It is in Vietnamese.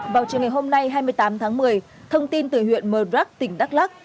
vào chiều ngày hôm nay hai mươi tám tháng một mươi thông tin từ huyện mờ rắc tỉnh đắk lắc